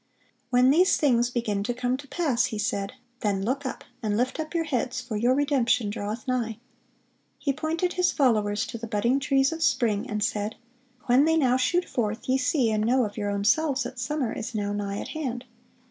"When these things begin to come to pass," He said, "then look up, and lift up your heads; for your redemption draweth nigh." He pointed His followers to the budding trees of spring, and said: "When they now shoot forth, ye see and know of your own selves that summer is now nigh at hand.